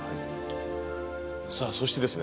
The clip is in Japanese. さあそしてですね